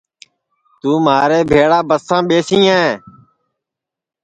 توں مھارے بھیݪا بسام ٻیسیں